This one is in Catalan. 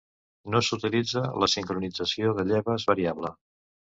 No s'utilitza la sincronització de lleves variable.